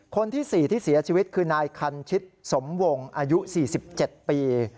คนที่๔ที่เสียชีวิตคือนายคันชิตสมวงอายุ๔๗ปี